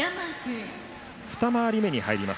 二回り目に入ります。